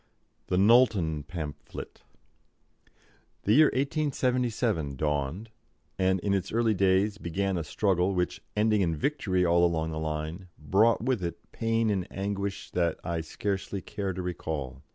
THE KNOWLTON PAMPHLET. The year 1877 dawned, and in its early days began a struggle which, ending in victory all along the line, brought with it pain and anguish that I scarcely care to recall.